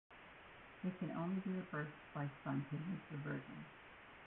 It can only be reversed by a spontaneous reversion.